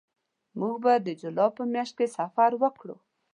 موږ به د جولای په میاشت کې سفر وکړو